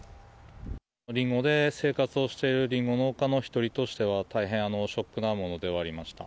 りんごで生活をしているりんご農家の１人としては、大変ショックなものではありました。